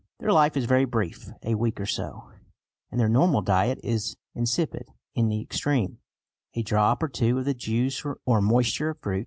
Their life is very brief a week or so; and their normal diet is insipid in the extreme a drop or two of the juice or moisture of fruit.